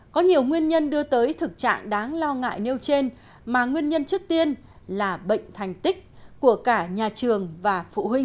có nhiều nguyên nhân đưa tới thực trạng đáng lo ngại nêu trên mà nguyên nhân trước tiên là bệnh thành tích của cả nhà trường và phụ huynh